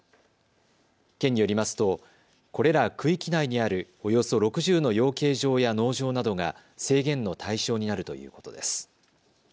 県によりますとこれら区域内にあるおよそ６０の養鶏場や農場などが制限の対象になるということです。